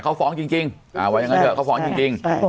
เขาฟ้องจริงว่าอย่างนั้นเถอะเขาฟ้องจริง